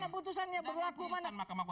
putusannya berlaku mana